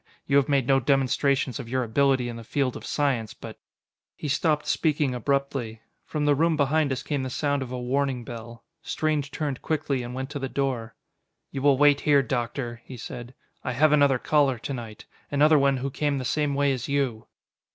You have made no demonstrations of your ability in the field of science, but " He stopped speaking abruptly. From the room behind us came the sound of a warning bell. Strange turned quickly and went to the door. "You will wait here, Doctor," he said. "I have another caller to night. Another one who came the same way as you!"